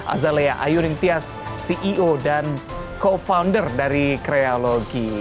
azalea ayuningtias ceo dan co founder dari kreologi